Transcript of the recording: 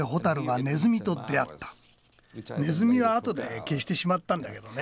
ネズミはあとで消してしまったんだけどね。